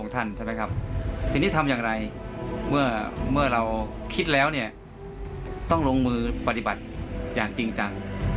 ทีนี้ทำอย่างไรเมื่อเราคิดแล้วต้องลงมือปฏิบัติอย่างจริงจัง